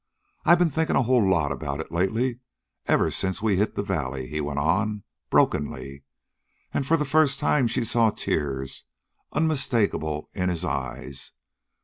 I've been thinkin' a whole lot about it lately, ever since we hit the valley," he went on, brokenly, and for the first time she saw tears unmistakable in his eyes.